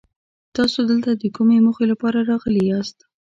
تاسو دلته د کومې موخې لپاره راغلي ياست؟